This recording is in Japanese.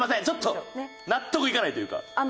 ちょっと納得いかないというか。